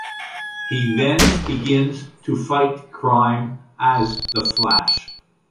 He then begins to fight crime as the Flash.